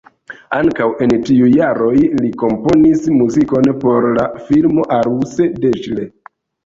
Ankaŭ en tiuj jaroj li komponis muzikon por la filmo Aruse Deĝle.